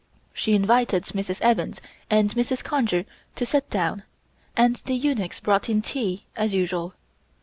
She invited Mrs. Evans and Mrs. Conger to sit down, and the eunuchs brought in tea, as usual.